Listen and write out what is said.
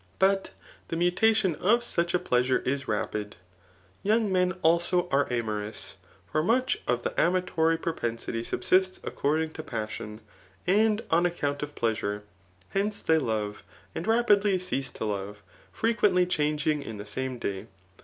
But the mutation of such a pleasure is r^id. Touag men also are amorous ', for much of the amatory propensity subsists according to passion, and on account of pleasure. Hence they love, and rapidly cease to love, frequently changing in the same day.